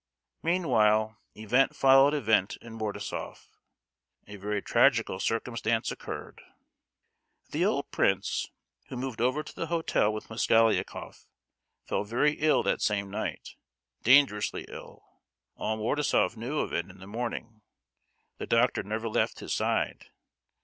Meanwhile event followed event in Mordasof. A very tragical circumstance occurred. The old prince, who moved over to the hotel with Mosgliakoff, fell very ill that same night, dangerously ill. All Mordasof knew of it in the morning; the doctor never left his side.